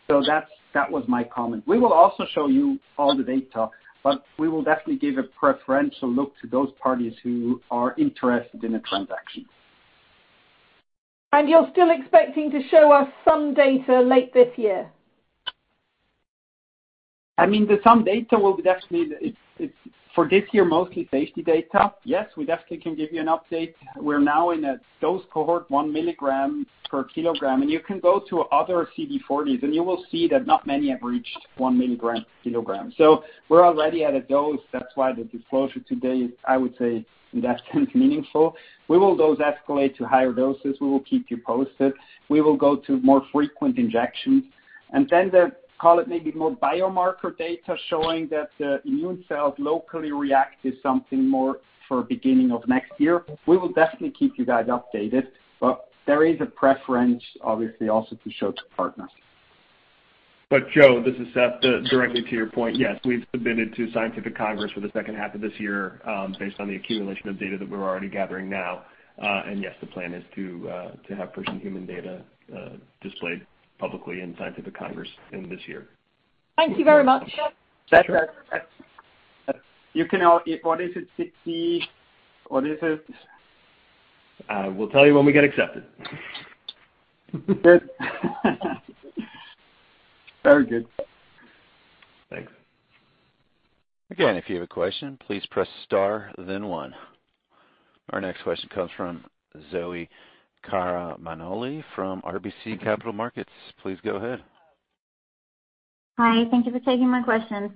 That's that was my comment. We will also show you all the data, but we will definitely give a preferential look to those parties who are interested in a transaction. You're still expecting to show us some data late this year. I mean, then some data will be definitely. It's for this year, mostly safety data. Yes, we definitely can give you an update. We're now in a dose cohort, 1 mg/kg. You can go to other CD40s, and you will see that not many have reached 1 mg/kg. We're already at a dose. That's why the disclosure today is, I would say, that's meaningful. We will dose escalate to higher doses. We will keep you posted. We will go to more frequent injections. Then the, call it maybe more biomarker data showing that the immune cells locally react to something more for beginning of next year. We will definitely keep you guys updated. There is a preference, obviously, also to show to partners. Jo, this is Seth, directly to your point. Yes, we've submitted to Scientific Congress for the second half of this year, based on the accumulation of data that we're already gathering now. Yes, the plan is to have first human data displayed publicly in Scientific Congress in this year. Thank you very much. Sure. If what is it 60, what is it? We'll tell you when we get accepted. Very good. Thanks. Again, if you have a question, please press star then one. Our next question comes from Zoe Karamanoli from RBC Capital Markets. Please go ahead. Hi. Thank you for taking my questions.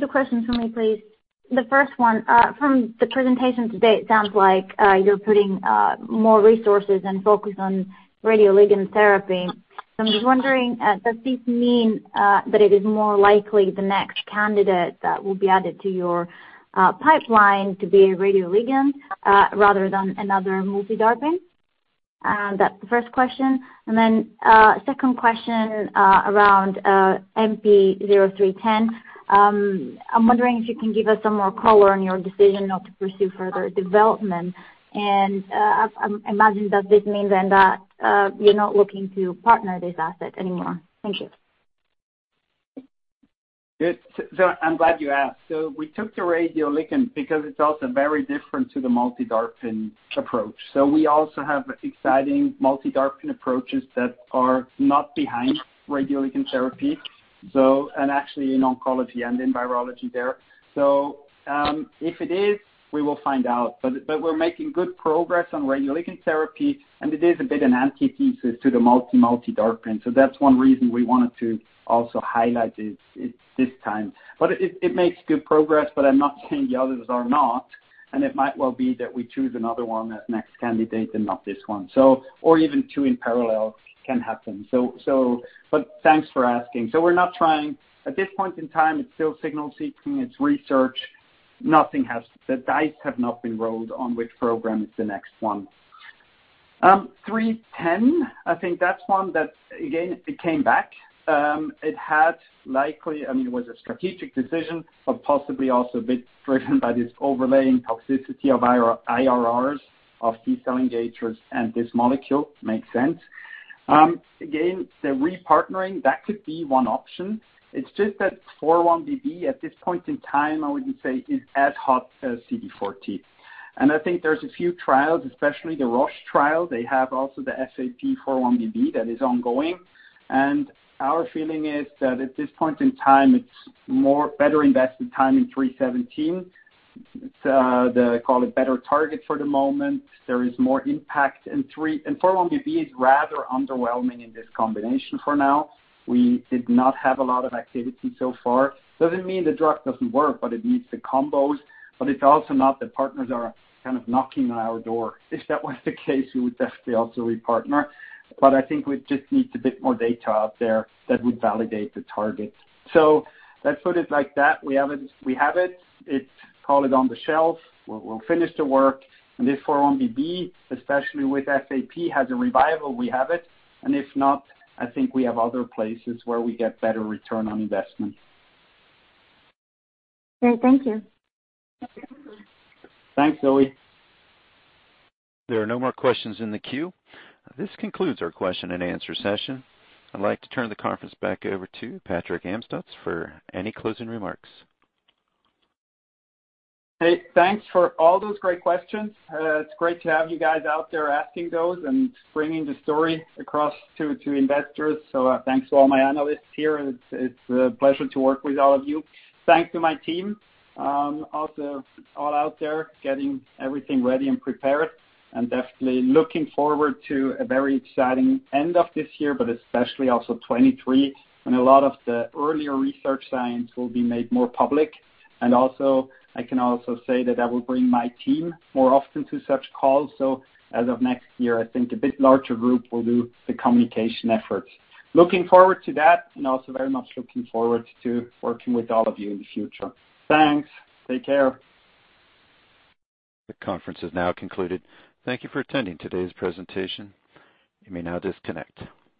Two questions from me, please. The first one, from the presentation today, it sounds like, you're putting, more resources and focus on radioligand therapy. I'm just wondering, does this mean, that it is more likely the next candidate that will be added to your, pipeline to be a radioligand, rather than another multi-DARPin? That's the first question. Second question, around, MP0310. I'm wondering if you can give us some more color on your decision not to pursue further development, and, I imagine that this means then that, you're not looking to partner this asset anymore. Thank you. Good. I'm glad you asked. We took the radioligand therapy because it's also very different to the multi-DARPin approach. We also have exciting multi-DARPin approaches that are not behind radioligand therapy. Actually in oncology and in virology there. If it is, we will find out. But we're making good progress on radioligand therapy, and it is a bit of antithesis to the multi-DARPin. That's one reason we wanted to also highlight it this time. But it makes good progress, but I'm not saying the others are not, and it might well be that we choose another one as next candidate and not this one. Or even two in parallel can happen. But thanks for asking. We're not trying. At this point in time, it's still signal-seeking, it's research. The dice have not been rolled on which program is the next one. MP0310, I think that's one that's again, it came back. It had likely, I mean, it was a strategic decision, but possibly also a bit driven by this overlying toxicity of IRR of T-cell engagers and this molecule makes sense. Again, the repartnering, that could be one option. It's just that 4-1BB at this point in time, I would say, is as hot as CD40. I think there's a few trials, especially the Roche trial. They have also the FAP 4-1BB that is ongoing. Our feeling is that at this point in time, it's more better invested time in MP0317. It's the call it better target for the moment. There is more impact in three. 4-1BB is rather underwhelming in this combination for now. We did not have a lot of activity so far. Doesn't mean the drug doesn't work, but it needs the combos, but it's also not that partners are kind of knocking on our door. If that was the case, we would definitely also repartner. I think we just need a bit more data out there that would validate the target. Let's put it like that. We have it. It's, call it, on the shelf. We'll finish the work. If 4-1BB, especially with FAP, has a revival, we have it. If not, I think we have other places where we get better return on investment. Great. Thank you. Thanks, Zoe. There are no more questions in the queue. This concludes our question and answer session. I'd like to turn the conference back over to Patrick Amstutz for any closing remarks. Hey, thanks for all those great questions. It's great to have you guys out there asking those and bringing the story across to investors. Thanks to all my analysts here, and it's a pleasure to work with all of you. Thanks to my team, also all out there getting everything ready and prepared, and definitely looking forward to a very exciting end of this year, but especially also 2023, when a lot of the earlier research science will be made more public. I can also say that I will bring my team more often to such calls. As of next year, I think a bit larger group will do the communication efforts. Looking forward to that and also very much looking forward to working with all of you in the future. Thanks. Take care. The conference is now concluded. Thank you for attending today's presentation. You may now disconnect.